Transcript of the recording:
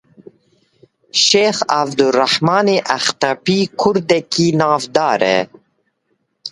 Şêx Evdirehmanê Axtepî kurdekî navdar e.